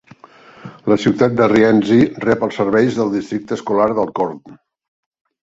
La ciutat de Rienzi rep els serveis del Districte Escolar d'Alcorn.